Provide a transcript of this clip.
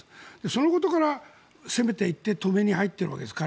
そのことから、攻めていって止めに入ってるわけです。